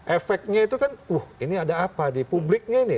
efeknya itu kan uh ini ada apa di publiknya ini